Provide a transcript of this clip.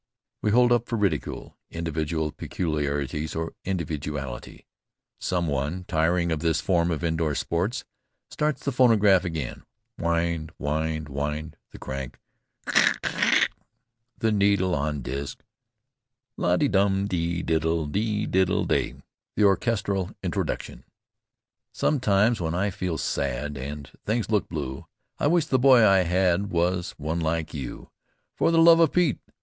We hold up for ridicule individual peculiarities of individuality. Some one, tiring of this form of indoor sports, starts the phonograph again. Wind, wind, wind (the crank) Kr r r r r r r (the needle on the disk) La dee dum, dee doodle, di dee day (the orchestral introduction) Sometimes when I feel sad And things look blue, I wish the boy I had Was one like you "For the love of Pete!